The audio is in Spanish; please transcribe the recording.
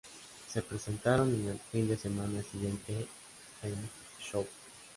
Se presentaron en el fin de semana siguiente en "Show!